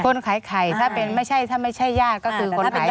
คนขายไข่ถ้าไม่ใช่ญาติก็คือคนขายไข่